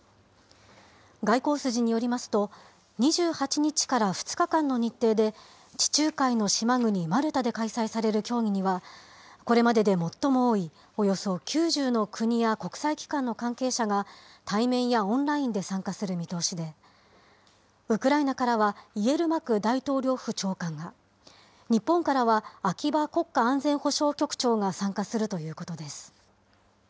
外交筋によりますと、２８日から２日間の日程で、地中海の島国、マルタで開催される協議には、これまでで最も多いおよそ９０の国や国際機関の関係者が対面やオンラインで参加する見通しで、ウクライナからはイエルマク大統領府長官が、日本からは秋葉国家安全保障局長が参加するということです。